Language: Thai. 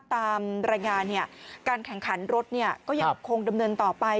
ตามรายงานการแข่งขันรถก็ยังคงดำเนินต่อไป